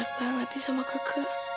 aku nggak mau mati sama kek